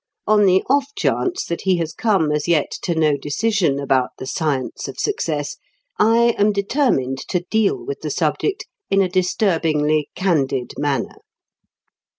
On the off chance that he has come as yet to no decision about the science of success, I am determined to deal with the subject in a disturbingly candid manner.